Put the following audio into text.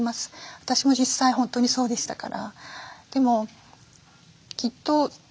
私も実際本当にそうでしたから。